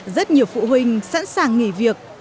rất nhiều phụ huynh sẵn sàng nghỉ việc